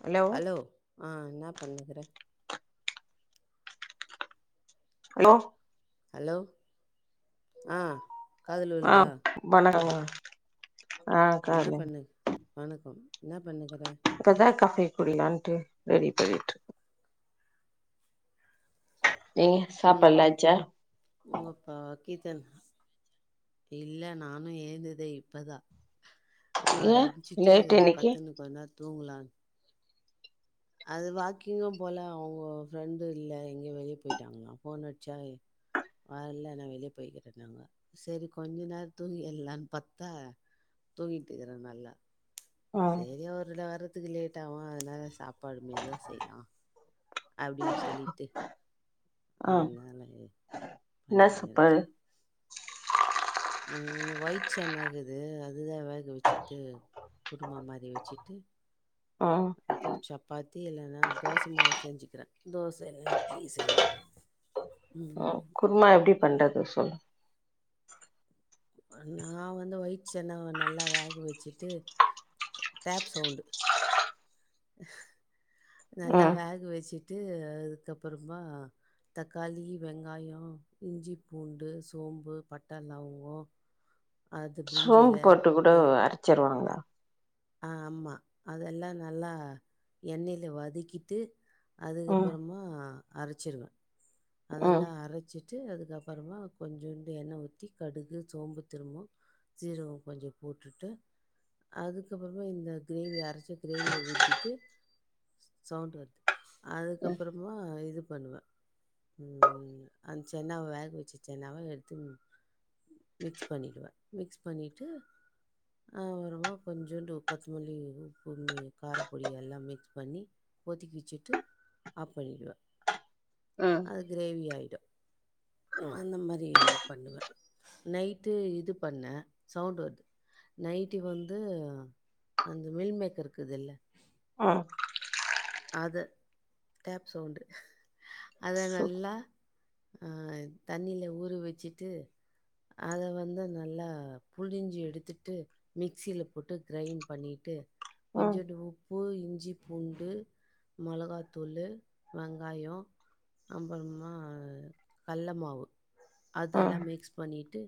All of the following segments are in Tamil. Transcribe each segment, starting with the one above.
ஹலோ அ என்ன பண்ணுகிற ஹலோ ஹலோ அ அ வணக்கங்க அ என்ன கால பண்ணு வணக்கம் என்ன பண்ணுகிற இப்பதா காஃபி குடிக்கலான்ட்டு ரெடி பன்னிட்டு இருக்கே நீங்க உம் சாப்பாட்லா ஆச்சா உங்கப்பா கீதன் இல்ல நானு ஏந்ததே இப்பதா அவர ஏ அம்ச்சுட்டு லேட் இன்னைக்கு பத்துன்னு கொஞ்ச நேரோ தூங்லானு அது வாக்கிங்கு போல அவங்க ஃப்ரெண்டு இல்ல எங்கயோ வெளியே போயிட்டாங்களா ஃபோன் அடிச்சா வரல நா வெளியே போய்கிட்டு இருக்கே சரி கொஞ்ச நேர தூங்கி இல்லான்னு பாத்தா தூங்கிட்டு இருக்குறே நல்லா ம் சரி அவரு வர்றதுக்கு லேட்டாகு அதனால சாப்பாடு மெதுவா செய்லா அப்டின்னு சொல்லிட்டு ஆ அதனால என்ன பண்ணி சாப்பாடு இருக்கறே உம் ஒயிட் சேன் ஆகுது அதுதா வேக வச்சுட்டு குருமா மாரி வச்சுட்டு ம் அப்றோ சப்பாத்தி த்தி இல்லனா தோசை மாவு செஞ்சுக்கிறே தோச இல்லனா இட்லி செய்யணு ம் ம் குருமா எப்டி பண்றது சொல்லு நா வந்து வைட் சன்னா நல்லா வேக வச்சுட்டு டேப் சவுண்டு நல்லா ம் வேக வச்சுட்டு அதுக்கப்பறமா தக்காளி வெங்காயோ இஞ்சி பூண்டு சோம்பு பட்ட லவங்கோ அது பிரிஞ்சி சோம்பு எல போட்டு கூட அரச்சர்வாங்க ஆஹ் ஆமா, அதெல்லாம் நல்லா எண்ணெயில வதக்கிட்டு, ம் அதுக்கப்புறமா அரைச்சிடுவேன், ம் அதெல்லாம் அரைச்சிட்டு, வட்டு அதுக்கப்புறமா கொஞ்சுண்டு எண்ணெ ஊட்டு கடுகு, சோம்பு, திரும்பும் சீரகம் கொஞ்சம் போட்டுட்டு, அதுக்கப்புறமா இந்த கிரேவி அரைச்சி, கிரேவிய ஊத்திட்டு, சவுண்ட் வரும். ம் அதுக்கப்புறமா பண்ணுவ. அந்த சென்னாவை, வேக வச்ச சென்னாவை எடுத்து மிக்ஸ் பண்ணிடுவேன். மிக்ஸ் பண்ணிட்டு, அப்புறமா கொஞ்சுண்டு கொத்தமல்லி, உப்பு, காரப்பொடி, எல்லாம் மிக்ஸ் பண்ணி கொதிக்க வச்சிட்டு ஆப் பண்ணிடுவ. ம் அது கிரேவி ஆயிடும். அ அந்த மாதிரி பண்ணுவ. நைட்டு இது பண்ண, சவுண்ட் வருது நைட்டி வந்து, அந்த மில்மேக்கர் இருக்குல்ல ஹ அத, டேப் சவுண்டு, அத சு நல்லா அஹ் தண்ணில ஊரு வச்சிட்டு, அத வந்து நல்லா புழஞ்சு எடுத்துட்டு, மிக்சியில போட்டு கிரைண்ட் பண்ணிட்டு, ம் கொஞ்சுண்டு உப்பு, இஞ்சி, பூண்டு, மிளகாத்தூள், வெங்காயம் அப்புறமா கல்ல மாவு ம் அதெல்லாம் மிக்ஸ் பண்ணிட்டு,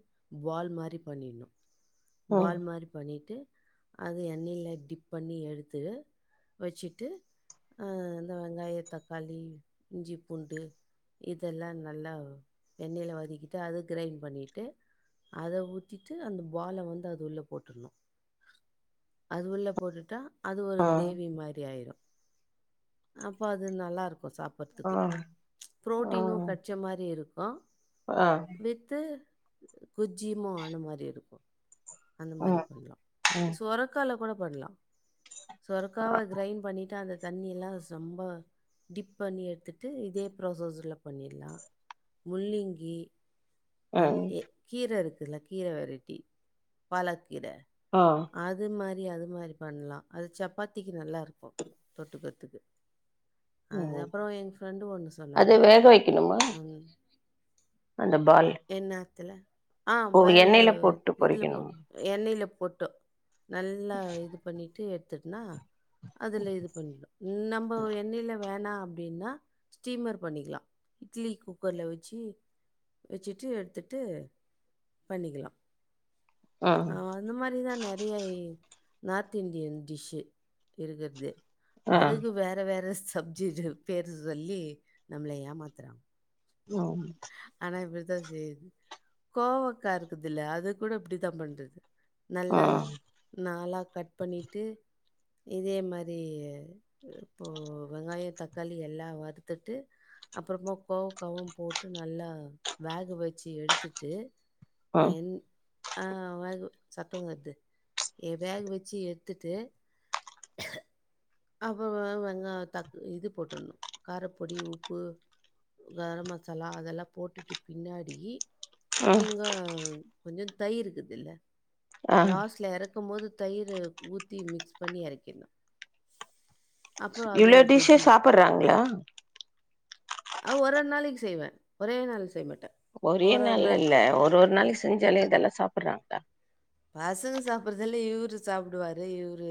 பால் மாதிரி பண்ணிடணும். ம் ம் பால் மாதிரி பண்ணிட்டு, அத எண்ணெயில டிப் பண்ணி எடுத்து வச்சுட்டு வெங்காய, தக்காளி, இஞ்சி, பூண்டு, இதெல்லாம் நல்லா எண்ணெயில வதக்கிட்டு, அத கிரைண்ட் பண்ணிட்டு, அத ஊத்திட்டு, அந்த பால வந்து அது உள்ள போட்டுணும். அது உள்ள போட்டுட்டா, அது ஒரு ம் ம் கிரேவி மாதிரி ஆயிரும். அப்போ அது நல்லா இருக்கும் ஆ சாப்பிடுறதுக்கு, ம் புரோட்டீனும் ம் கெச்ச மாதிரி இருக்கும். ஆ வித்து குஜியமும் ஆன மாதிரி இருக்கும். அந்த மாதிரி பண்ணலாம், சுரக்கால கூட பண்ணலாம். சொரக்காவ கிரைண்ட் பண்ணிட்டு, அந்த தண்ணியெல்லாம் ரொம்ப டிப் பண்ணி எடுத்துட்டு, இதே ப்ராசஸ்ல பண்ணிடலாம். முள்ளிங்கி அண்ட் ம் கீர இருக்குல்ல, கீர வெரைட்டி, பாலக் ஆ அது மாதிரி, அது மாதிரி பண்ணலாம். அது சப்பாத்திக்கு நல்லா இருக்கும். தொட்டுக் ம் அதுக்கப்புறம், எங்க ஃப்ரெண்டு ஒண்ணு சொன்னா, அத வேக வைக்கணுமா ஹம் அந்த பால் என்னாத்துல, ஆஹ் ஓ பால்ல எண்ணெயில போட்டு இதுல பொறிக்கணும் போட்டு, எண்ணெய்ல போட்டு, போட்டோ, நல்லா இது பண்ணிட்டு எடுத்துட்டுனா அதுல இது பண்ணிடும், நம்ம எண்ணயில வேணா எப்டின்னா, ஸ்டீம்மர் பண்ணிக்கலாம். இட்லி குக்கர்ல வச்சு, வச்சுட்டு, எடுத்துட்டு பண்ணிக்கலாம். ம் ஆஹ், அந்த மாதிரிதான் நிறைய, நார்த் இண்டியன் டிஷ் இருக்குறது, ஆ அதுக்கு வேற, வேற சப்ஜி பேர சொல்லி, நம்ளயாமாத் அ ஆனா இப்படிதான் செய்ரது, கோவக்கா இருக்குதுல்ல, அத கூட இப்படிதான் பண்றது. நல்லா, ம் ம் நாலா கட் பண்ணிட்டு, இதே மாதிரி, இப்போ வெங்காயம், தக்காளி, எல்லாம் வருறுத்துட்டு அப்புறமா, கோவக்காவும் போட்டு நல்லா, வேக வச்சு எடுத்துட்டு, ம் நெய் எ வேக வச்சு அப்பறமா வெங்கா தக்கா இது போட்டணும் காரப்பொடி உப்பு கரம் மசாலா அதெல்லாம் போட்டுட்டு பின்னாடி நீங்க கொஞ்சம் தயிர்கீது இல்ல ஆ லாஸ்ட்ல இறக்கு றக்கும் போது தயிர் ஊத்தி மிக்ஸ் பண்ணி எரக்கின்ணும் இவ்வளோ டிஷ் சாப்பட்றாங்களா அ ஒர் ஒரு நாளைக்கு செய்வேன் ஒரே நாள்ள செய்ய மாட்டேன் ஒரே ஒரு ஒரு நாள்ள நாள். இல்ல ஒரு ஒரு நாளைக்கு செஞ்சாலே இதெல்லாம் சாப்பிடுறாங்களா பசங்க சாப்ட்றதுல இவரு சாப்டுவாரு இவரு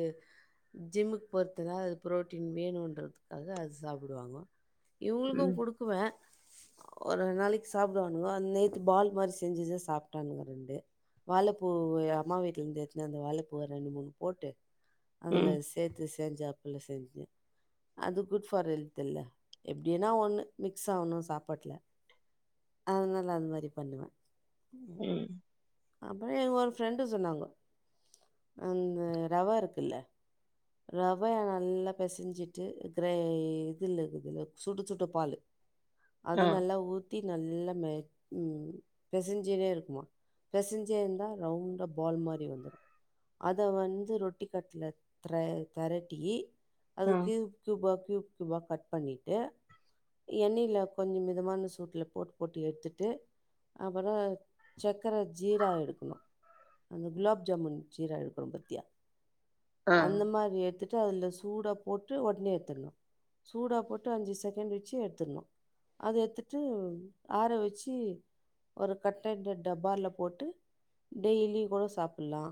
ஜிம்முக்கு போருத்துக்கா அது புரோட்டீன் வேணுன்றதுக்காக அது சாப்டுவாங்கோ இவங்களுக்கு ம் குடுக்குவே ஒரு நாளைக்கு சாப்டுவானுங்கோ நேத்து பால் மாரி செஞ்சுவச்ச சாப்ட்டானுங்கோ ரெண்டு வாழப்பூ போயி எ அம்மா வீட்ல இருந்து எத்துனு வந்த வாழப்பூவ ஒரு ரெண்டு மூணு போட்டு அதுல ம் சேத்து சே ஞ்சாப்பிள்ள செஞ்சே அது குட் ஃபார் ஹெல்த் இல்ல எப்டினா ஒண்ணு மிக்ஸ் ஆவ்ணு சாப்பாட்ல அதனால அது மாதிரி பண்ணுவே ம் அப்புற ஃப்ரெண்டு சொன்னாங்கோ அந்த ரவ இருக்குல்ல ரவைய நல்லா பெசைஞ்சிட்டு கிரே இதுல்லக்குதுல சுடு சுட்டு பால்லு அது ஆ நல்லா ஊத் த்தி நல்ல ம் பெசஞ்சனே இருக்குமா பெசஞ்சி இந்தா ரவுண்டா பால் மாரி வந்துரு அத வந்து ரொட்டி கட்ல திர திரட்டி அது ஆ க்யூப் கியூபா கியூப் கியூபா கட் பண்ணிட்டு எண்ணெயில கொஞ்சம் மிதமான சூட்ல போட்டு போட்டு எட்த்துட்டு அப்புற சக்கரை ஜீரா எடுக்கணு அந்த குலாப் ஜாமுன் ஜீரா எடுக்குறோ பத்தியா ஆ அந்த மாரி எடுத் விட்டு அதில் சூடா போட்டு உடனே எட்த்துணு சூடா போட்டு அஞ்சு செகண்ட் வச்சு எட்த்துணு அத எட்த்துட்டு ஆற வச்சு ஒரு கட்டெட் டப்பால போட்டு டெய்லி கூட சாப்ட்லா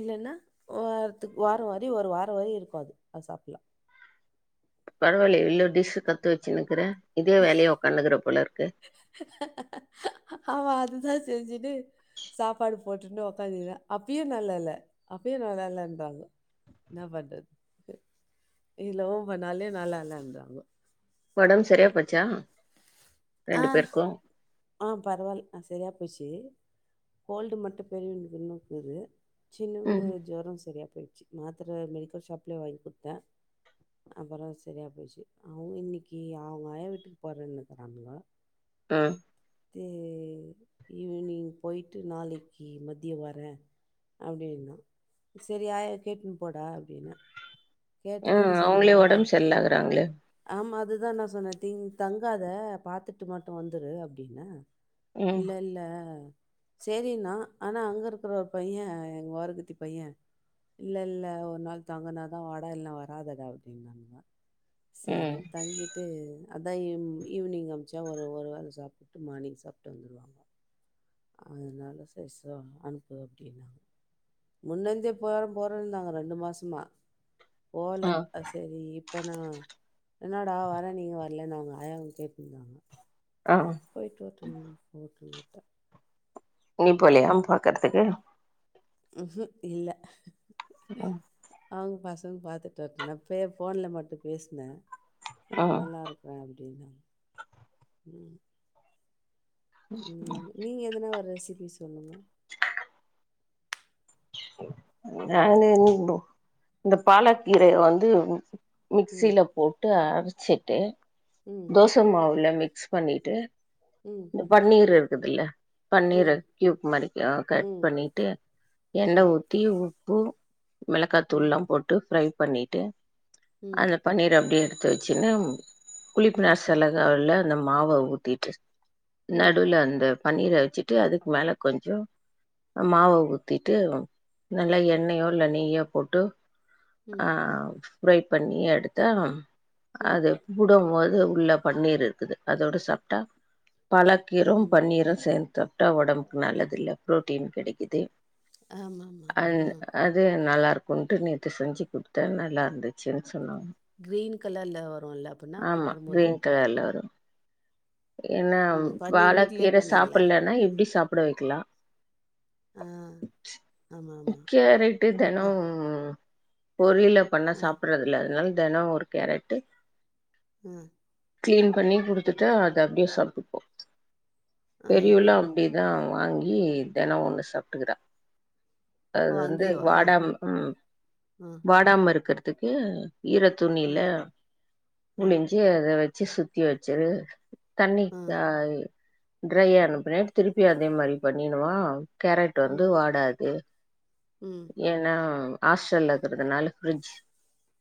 இல்லன்னா வாரத்துக்கு வார வாரி ஒரு வாரி வர இருக்கு அத சாப்புலா பரவலையே இவ்லோ டிஷ் கத்து வச்சுனுக்குற இதே வேலையா உட்காணுக்ற போல இருக்கு ஆமா அதுதா செஞ்சுன்னு சாப்பாடு போட்டுனு உக்காந்தே அப்பயு நல்லா இல்ல அப்பயு நல்லா இல்லன்றாங்கோ என்ன பண்றது இவ்லவோ பண்ணாலே நல்லால்லன்றாங்கோ உடம்பு சரியாப்போச்சா ஆ ரெண்டு பேருக்கு ஆ பரவால் ஆ சரியா போச்சு கோல்டு மட்டும் பெரியவனக்கு இன்னும்க்கீது சின்னவுனுக்கு ம் ஜொரம் சரியா போயிச்சு மாத்திர மெடிக்கல் ஷாப்லயே வாங்கி கொட்த்தே அப்புற சரியா போயிச்சு அவங்க இன்னைக்கு அவங் ஆயா வீட்டுக்கு போறேன்னுக்கிறங்கோ ம் து ஈவினிங் போயி்ட்டு நாளைக்கி மதிய வரே அப்டின்னா சரி ஆயா வ கேட்டுன்னு போடா அப்டின்ன ஆ அவங்களே உடம்பு செறில்லாதகிறாங்களே அதுதா நா சொன்ன தி் தங்காத பாத்துட்டு மட்டு வந்துரு அப்டின்ன ம் இல்ல இல்ல சேரிண்ணா ஆனா அங்க இருக்கிற ஒரு பைய எங்க ஓரகத்தி பைய இல்ல இல்ல ஒரு நாள் தங்கனா ன் வடா இல்லனா வராதடா அப்படின்னங்க ம் சரின்னு தங்கிட்டு அதா ஈவினிங் அமுச்சா ஒரு ஒரு வேள சாப்ட்டு மார்னிங் சாப்ட்டு வந்துடுவாங்கோ அதனால சைஸ்ஸா அனுப்பு அப்படின்னாங் முன்னந்தே போற போற இருந்தாங்க ரெண்டு மாசமா ஆ போல சரி அப்போனா என்னோட ஆ வரேன்னீங்க வரலன்னு அவங்க ஆயாவு கேட்ன்னுருக்காங்க ஆ சேரி போயிட்டு வர்ட்டு [inaudible] நீ போலையா பாக்கறதுக்கு உஹூம் இல்ல ம் அவங்க பசங்க பாத்துட்டு வருட்டும்னு நான் பே ஃபோனில் மட்டும் பேஸ்னே ஆஹ் ம் நல்லா இருக்கேன் அப்படினு உம் [inaudible] நீங்க எதன ஒரு ரெசிபி சொல்லுங்க நான் இந்த பாலக்கீர வந்து ம் மிக்சில போட்டு அரைச்சிட்டு ம் தோசை மாவுல மிக் மிக்ஸ் பண்ணிட்டு ம் இந்த பன்னீர் இருக்குதுல்ல பன்னீரும் ம் கயூப் மாதிரி கட் ம் பண்ணிட்டு எண்ண ம் ஊத்தி உப்பு ம் மிளகாய்த்தூள்ல்லாம் போட்டு ஃப்ரை பண்ணிட்டு ம் அந்த பன்னீர் அப்படி எடுத்து வச்சுன்னா குளிப்பு ம் நாசலகல அந்த மாவை ஊத்திட்டு ம் நடுல அந்த பன்னீரை வச்சுட்டு அதுக்கு மேல கொஞ்சம் மாவை ஊ ஊற்றிட்டு நல்லா எண்ணெயோ இல்லை நெய்யோ போட்டு ம் ஆஹ் ஃப்ரை பண்ணி எடுத்தா ம் அது வுடும்போது உள்ள பன்னீர் இருக்குது அதோட சாப்பிட்டா பழக்கீரும் ம் பன்னீரும் சேந்து புட்டா உடம்புக்கு நல்லது இல்ல பு்ரோட்டீன் கிடைக்குிது ஆமா ஆஹ் நல்லா இருக்கும்ன்ட்டு நேற்று செஞ்சு கொடுத்தேன் நல்லா இருந்துச்சுச்சு கிரீன் கலர்ல வரும்ல அப்பன்னா ஆமா வரும்போது? கிரீன் கலர்ல வரும் என்னா ம். பன்னீர் வாழை வீட்லயே கீரை பண்ணீங்களா? சாப்பிடலன்னா இப்படி சாப்பிட வைக்கலாம் ஆ. ஆமாமா. முக்கிய ரைட்டு அ, தினம் பொரியலா பண்ணா அ, சாப்பிடறதுல்ல அதனால தினம் ஒரு கேரட்டு உம் [inaudible] கிளீன் பண்ணி குடுத்துட்டு அது அப்படியே சாப்பிட்டுப்போம் ஆ. ஆ பெரியல்லாம் அப்படி தான் வாங்கி தினம் ஒண்ணு சாப்பிட்டுக்கிறான் அது ஓ! வந்து அங்கேயேவா? வாடாம உம் அ, வாடாம இருக்கிறதுக்கு ஈர அ, துணியில அ, முழிஞ்சு அதை வச்சு சுத்தி வச்சுிரு தண்ணி அ. ஆஹ டிரையா அனுப்பின்னாடி திருப்பி அதே மாதிரி பண்ணிடவா கேரட் வந்து ம், வாடாது ம், ஏன்னா ஹாஸ்டல்ல இருக்கிறதுனால ஃபிரிட்ஜ்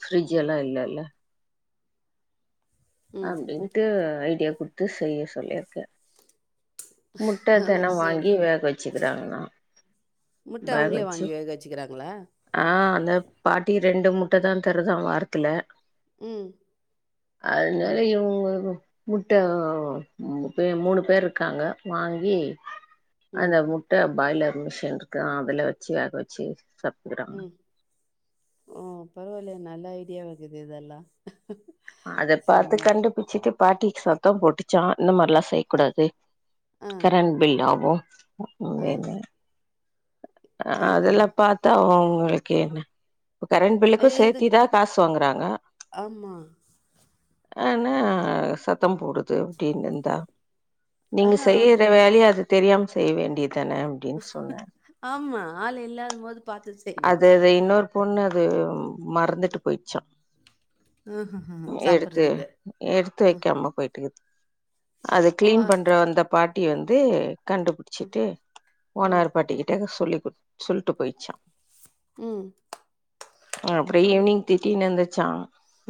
ஃப்ரிட்ஜ் ம், எல்லாம் இல்ல இல்ல ம். அப்படின்ட்டு ஐடியா குடுத்து செய்ய சொல்லியிருக்கேன் முட்டை தினம் சோ வாங்கி வேக வச்சுக்கிறாங்கல்லாம் முட்டை ப அவங்களே வச்சு வாங்கி வேக வச்சுக்கிறாங்களா? ஆஹ் அந்த பாட்டி ரெண்டு முட்டை தான் தருதான் வாரத்துல உம் அதனால இவங்க முட்டை பே மூணு பேர் இருக்காங்க வாங்கி உ [inaudible] அந்த முட்டை பாய்லர் மிஷின் இருக்கு அதுல வச்சு வேக வச்சு சாப் உம் ஓ பரவாயில்லை நல்ல ஐடியா ஆகுது இதெல்லாம் அதை பார்த்து செம. கண்டுபிச்சுட்டு பாட்டிக்கு சத்தம் போட்டுச்சான் இந்த மாதிரி எல்லாம் செய்யக்கூடாது ஆ, கரண்ட் பில் ஆகும் ஆ, ஆஹ. அதெல்லாம் பாத்தா உங்களுக்கு என்ன இப்ப கரண்ட் இது பில்லுக்கும் இதுக் சேர்த்திதான் காசு வாங்குறாங்க ஆமா. ஆன சத்தம் போடுது அப்படின்னு இருந்தா நீங்க ஆஹா செய்யற அது வேலையை அது தெரியாம செய்ய வேண்டியதானே அப்படின்னு சொன்னேன் ஆமா ஆள் இல்லாத போது பார்த்து செய்யணும் அது அது இன்னொரு பொண்ணு அது மறந்துட்டு போயிச்சா ம்ஹ்ஹ்ம். எடுத்து சாப்பிடுறதுக்கு. எடுத்து அ. வெக்காம போய்ட்டுக்கீது அது ஓ! கிளீன் பண்ற வந்த பாட்டி வந்து கண்டுபிடிச்சிட்டு ம். ஓனர் பாட்டிக்கிட்டே சொல்லி சொல்லிட்டு போயிச்சா ம். அப்புறம் ம். ஈவி்னிங் திட்டினுந்துச்சா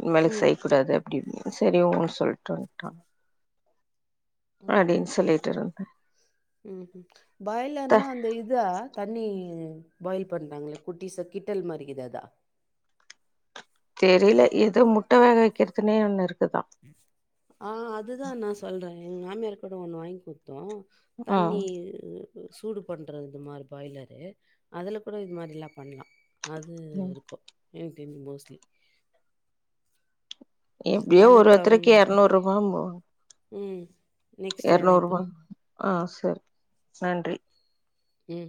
இன மேலு ம். செய்யக்கூடாது அப்படி சரி ன்னு சொல்லிட்டு வந்துட்டா அப்டின்னு சொல்லிட்டு இருந்தே ம்ஹூம் பாய்லர்ன்னா அந்த இதா தண்ணி பாயில் பண்றாங்களே குட்டிசா கிட்டல் மாரிருக்கிதே அதா தெரியல ஏதோ முட்ட வேக வைக்கிறதுனே ஒண்ணு இருக் ஆ அதுதா நா சொல்றே எங்க மாமியார் கூட ஒண்ணு வாங்கி கு தோ தண்ணி சூடு பண்ணுறது இந்த மாரி பாய்லரு அதுல கூட இது மாரிலா பண்ணலா அது ம் இருக்கு ஏங்டீம்ல மோஸ்ட்லி எப்டியோ ஒரு வணக்கம். ஒருத்தருக்கு எரநூறு ரூபா மோ ம் நெக்ஸ்ட் அணைப்பு அ செர் நன்றி ம்